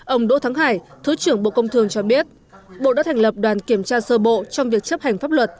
ông đỗ thắng hải thứ trưởng bộ công thương cho biết bộ đã thành lập đoàn kiểm tra sơ bộ trong việc chấp hành pháp luật